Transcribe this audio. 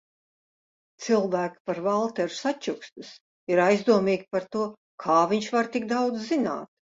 Cilvēki par Valteru sačukstas, ir aizdomīgi par to, kā viņš var tik daudz zināt.